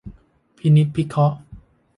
พินิจพิเคราะห์